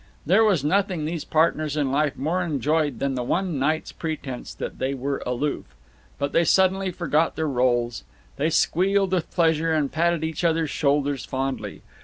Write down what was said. There was nothing these partners in life more enjoyed than the one night's pretense that they were aloof. But they suddenly forgot their rôles; they squealed with pleasure and patted each other's shoulders fondly.